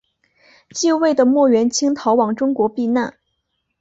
继位的莫元清逃往中国避难。